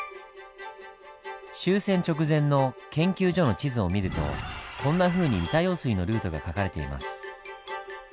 終戦直前の研究所の地図を見るとこんなふうに三田用水のルートが描かれています。